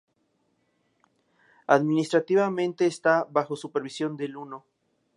Administrativamente está bajo supervisión del "Uno.